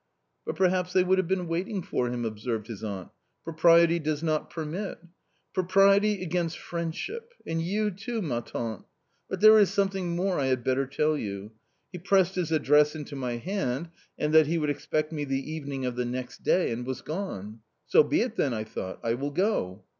"But perhaps they would have been waiting for him," observed his aunt ;" propriety does not permit " "Propriety against friendship ! and you too, ma tante/ but there is something more I had better tell you. He pressed his address into my hand, said that he would expect me the evening of the next day, and was gone. ' So be it then,' I thought, 'I will go.'